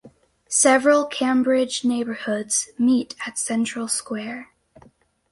Several Cambridge neighborhoods meet at Central Square.